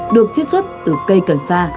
được chiết xuất từ cây cần sa